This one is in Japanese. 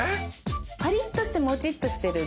パリッとしてモチッとしてる。